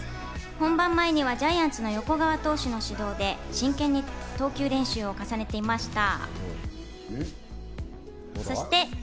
本番前にはジャイアンツの横川投手の指導で真剣に投球練習を重ねていました。